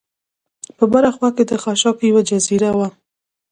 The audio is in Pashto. بره خوا کې د خاشاکو یوه جزیره وه.